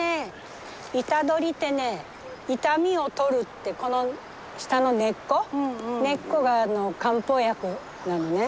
イタドリってね痛みを取るってこの下の根っこ根っこがあの漢方薬なのね。